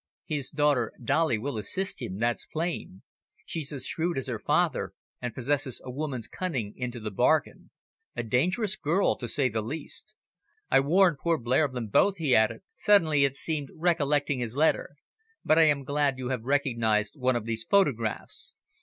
"His daughter, Dolly, will assist him, that's plain. She's as shrewd as her father, and possesses a woman's cunning into the bargain a dangerous girl, to say the least. I warned poor Blair of them both," he added, suddenly, it seemed, recollecting his letter. "But I am glad you have recognised one of these photographs.